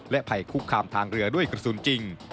ภัยคุกคามทางเรือด้วยกระสุนจริง